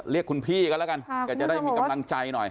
เรียกคุณพี่กันแล้วกันแกจะได้มีกำลังใจหน่อย